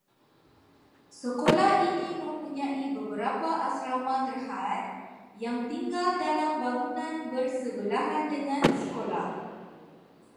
Sekolah ini mempunyai beberapa asrama terhad, yang tinggal dalam bangunan bersebelahan dengan sekolah